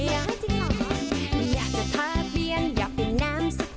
อยากจะเท้าเบี้ยงอยากเห็นน้ำ